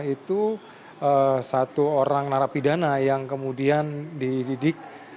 itu satu orang narapidana yang kemudian dididik